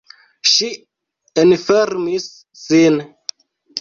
Ŝi enfermis sin.